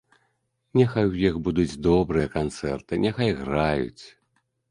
Няхай у іх будуць добрыя канцэрты, няхай граюць.